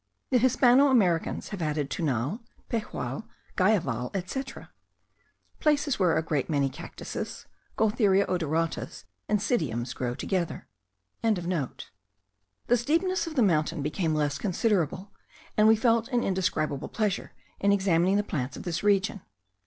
The Hispano Americans have added tunal, pejual, guayaval, etc., places where a great many Cactuses, Gualtheria odoratas, and Psidiums, grow together.) The steepness of the mountain became less considerable, and we felt an indescribable pleasure in examining the plants of this region.